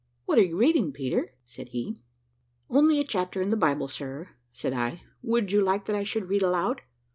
"What are you reading, Peter?" said he. "Only a chapter in the Bible, sir," said I. "Would you like that I should read aloud?"